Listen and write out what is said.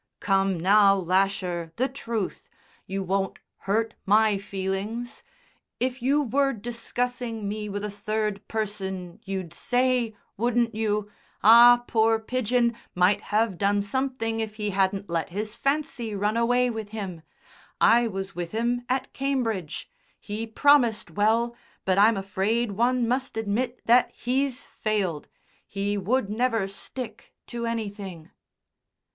"Come, now, Lasher, the truth. You won't hurt my feelings. If you were discussing me with a third person you'd say, wouldn't you? 'Ah, poor Pidgen might have done something if he hadn't let his fancy run away with him. I was with him at Cambridge. He promised well, but I'm afraid one must admit that he's failed he would never stick to anything.'"